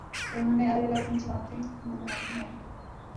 تو انہوں نے الگ الگ اپنی جماعتیں کیوں بنائی ہیں؟